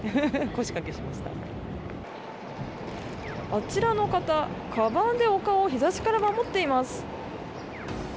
あちらの方、かばんでお顔を日差しから守っています。